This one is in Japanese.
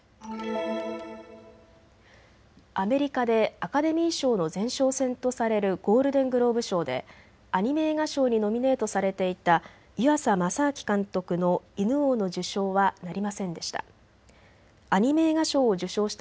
アメリカでアカデミー賞の前哨戦とされるゴールデングローブ賞でアニメ映画賞にノミネートされていた湯浅政明監督の犬王の受賞はなりませんでした。